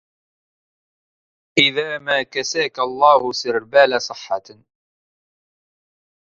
إذا ما كساك الله سربال صحة